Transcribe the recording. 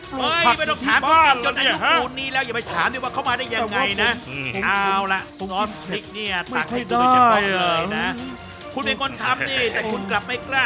เท้าที่ไข่โปรดติดตามต่อไป